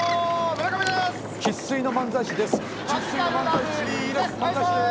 生粋の漫才師です